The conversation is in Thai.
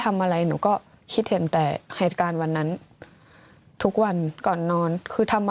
ทำอะไรหนูก็คิดเห็นแต่เหตุการณ์วันนั้นทุกวันก่อนนอนคือทำมา